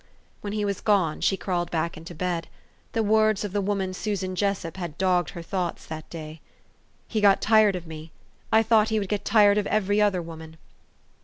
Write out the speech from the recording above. When he was gone, she crawled back into bed. The words of the woman Susan Jessup had dogged her thoughts that day: "He got tired of me. I thought he would get tired of every other woman."